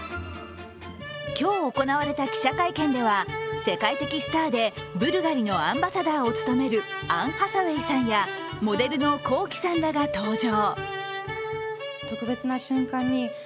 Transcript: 今日行われた記者会見では世界的スターでブルガリのアンバサダーを務めるアン・ハサウェイさんやモデルのＫｏｋｉ，さんらが登場。